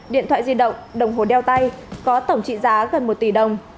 điện thoại di động đồng hồ đeo tay có tổng trị giá gần một tỷ đồng